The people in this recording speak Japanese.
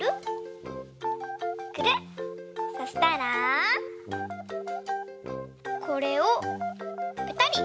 そしたらこれをぺたり。